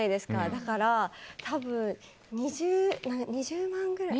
だから、多分２０万ぐらい。